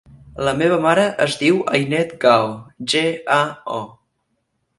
La meva mare es diu Ainet Gao: ge, a, o.